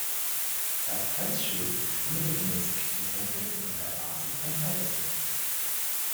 Das Halsschild ist unregelmäßig gepunktet und an der Basis am breitesten.